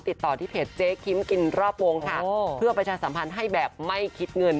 ติดต่อที่เพจเจ๊คิมกินรอบวงค่ะเพื่อประชาสัมพันธ์ให้แบบไม่คิดเงิน